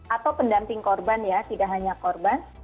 atau pendamping korban ya tidak hanya korban